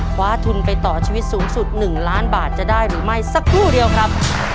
คว้าทุนไปต่อชีวิตสูงสุด๑ล้านบาทจะได้หรือไม่สักครู่เดียวครับ